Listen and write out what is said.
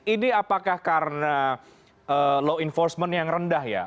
ini apakah karena law enforcement yang rendah ya